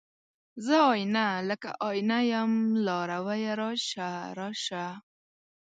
زه آئينه، لکه آئینه یم لارویه راشه، راشه